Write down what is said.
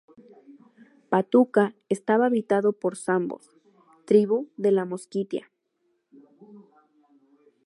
Patuca estaba habitado por zambos, tribu de la Mosquitia.